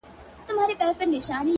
خورې ورې پرتې وي ـ